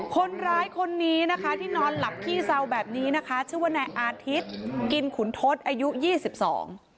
คนร้ายคนนี้นะคะที่นอนหลับพี่เซ่าแบบนี้นะคะชื่อว่าในอาทิตย์รึเป็นในคุณทศอายุ๒๒ครั้ง